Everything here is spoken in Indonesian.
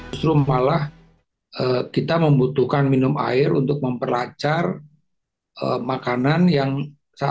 justru malah kita membutuhkan minum air untuk memperlancar makanan yang saat ini sudah berhasil